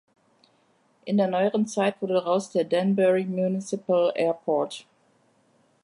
In der neueren Zeit wurde daraus der Danbury Municipal Airport.